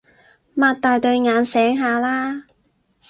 擘大對眼醒下啦